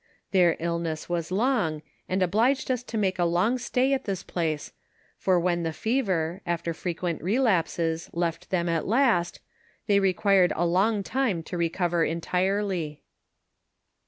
Their illness was long, and obliged us to make a long stay at this place, for when the fever, after frequent re lapses, left them at last, they required a long time to recover entirely.